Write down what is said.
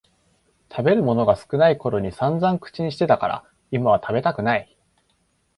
食べるものが少ないころにさんざん口にしてたから今は食べたくない